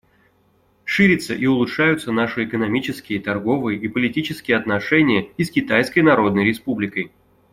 Ширятся и улучшаются наши экономические, торговые и политические отношения и с Китайской Народной Республикой.